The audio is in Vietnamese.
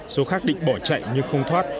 số khác định bỏ chạy nhưng không thoát